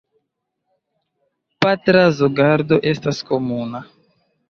Patra zorgado estas komuna.